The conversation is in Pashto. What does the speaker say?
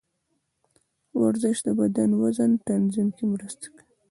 ورزش د بدن د وزن تنظیم کې مرسته کوي.